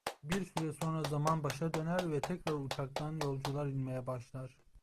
Bir süre sonra zaman başa döner ve tekrar uçaktan yolcular inmeye başlar.